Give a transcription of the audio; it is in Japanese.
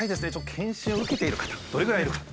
検診を受けている方どれぐらいいるか。